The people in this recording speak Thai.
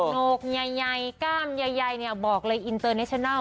โนกใหญ่กล้ามใหญ่บอกเลยอินเตอร์เนชั่นัล